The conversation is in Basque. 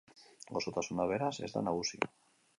Gozotasuna, beraz, ez da nagusi.